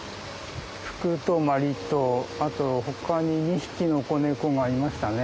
ふくとまりとあとほかに２匹の子猫がいましたね。